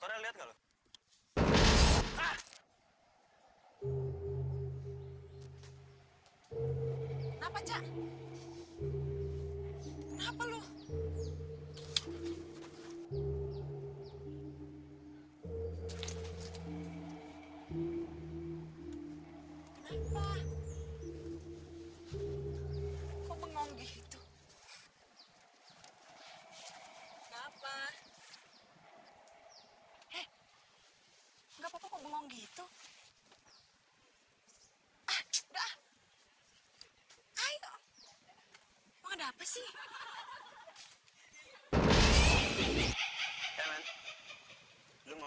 tersil applicantsnya itu mas benang